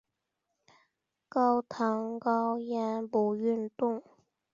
高糖高盐不运动